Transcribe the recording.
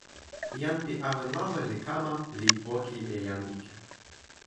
jan pi awen lawa li kama li poki e jan ike.